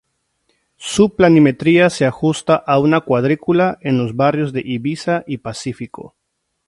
Su planimetría se ajusta a una cuadrícula en los barrios de Ibiza y Pacífico.